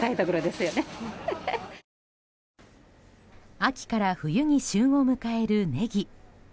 秋から冬に旬を迎えるネギ。